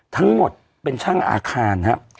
ทั้งหมดเป็นช่างอาคารครับ